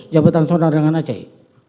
jabatan saudara dengan acai